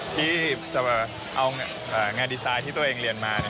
ที่จะเอางานดีไซน์ที่ตัวเองเรียนมา